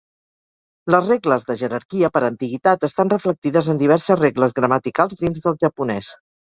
Les regles de jerarquia per antiguitat estan reflectides en diverses regles gramaticals dins del japonès.